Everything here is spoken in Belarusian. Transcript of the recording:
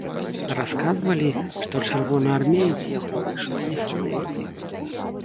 Расказвалі, што чырвонаармеец з яго выйшаў несамавіты.